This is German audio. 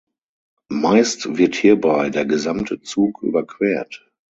Meist wird hierbei der gesamte Zug überquert.